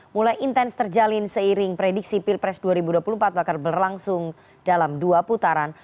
mulai intens terjalin seiring prediksi pilpres dua ribu dua puluh empat bakal berlangsung dalam dua putaran